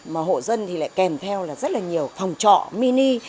mà hộ dân thì lại kèm theo là rất là nhiều phòng trọ mini